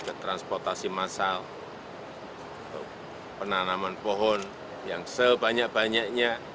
ke transportasi massal penanaman pohon yang sebanyak banyaknya